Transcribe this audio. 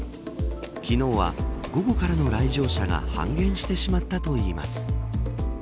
昨日は、午後からの来場者が半減してしまったといいます。